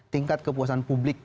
tingkat kepuasan publik itu